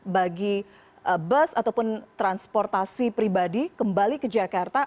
bagi bus ataupun transportasi pribadi kembali ke jakarta